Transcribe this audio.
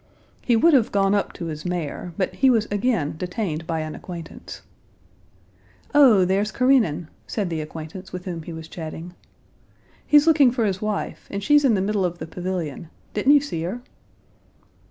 He would have gone up to his mare, but he was again detained by an acquaintance. "Oh, there's Karenin!" said the acquaintance with whom he was chatting. "He's looking for his wife, and she's in the middle of the pavilion. Didn't you see her?"